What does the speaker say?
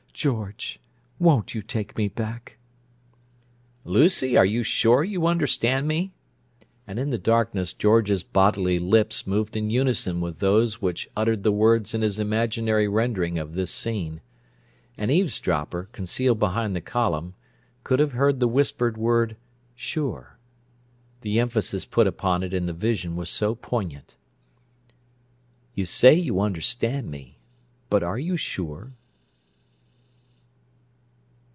George, won't you take me back?" "Lucy, are you sure you understand me?" And in the darkness George's bodily lips moved in unison with those which uttered the words in his imaginary rendering of this scene. An eavesdropper, concealed behind the column, could have heard the whispered word "sure," the emphasis put upon it in the vision was so poignant. "You say you understand me, but are you sure?"